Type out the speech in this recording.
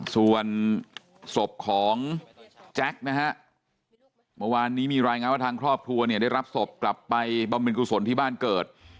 ส่วนศพของแจ็คนะฮะเมื่อวานนี้มีรายงานว่าทางครอบครัวเนี่ยได้รับศพกลับไปบำเพ็ญกุศลที่บ้านเกิด